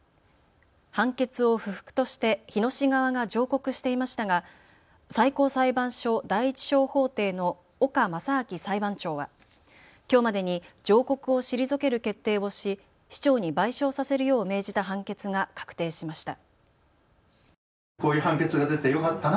判決を不服として日野市側が上告していましたが、最高裁判所第１小法廷の岡正晶裁判長はきょうまでに上告を退ける決定をし市長に賠償させるよう命じた判決が確定しました。